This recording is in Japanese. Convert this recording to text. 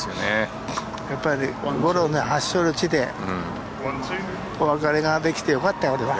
やっぱりゴルフの発祥の地でお別れができてよかったよ、俺は。